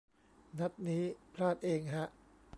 นัดนี้ พลาดเองฮะ